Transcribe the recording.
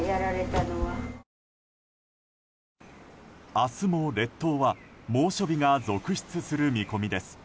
明日も、列島は猛暑日が続出する見込みです。